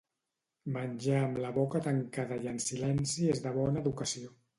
Menjar amb la boca tancada i en silenci és de bona educació